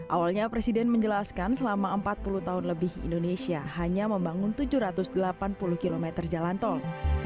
awalnya presiden menjelaskan selama empat puluh tahun lebih indonesia hanya membangun tujuh ratus delapan puluh km jalan tol